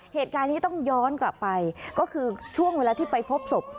เหตุการณ์นี้ต้องย้อนกลับไปก็คือช่วงเวลาที่ไปพบศพ